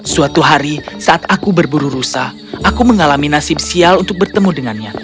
suatu hari saat aku berburu rusa aku mengalami nasib sial untuk bertemu dengannya